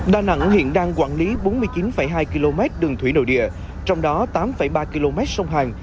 đà nẵng hiện đang quản lý bốn mươi chín hai km đường thủy nội địa trong đó tám ba km sông hàn